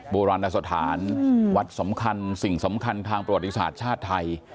โบราณสถานวัดสำคัญสิ่งสำคัญทางประวัติศาสตร์ชาติไทย